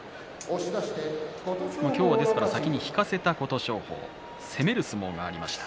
今日は先に引かせた琴勝峰攻める相撲がありました。